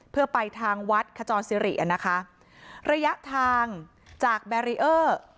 เพื่อไปทางวัดขจรสิริอ่ะนะคะระยะทางจากแบรีเออร์